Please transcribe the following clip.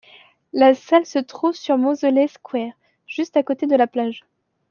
La salle se trouve sur Moseley Square, juste à côté de la plage.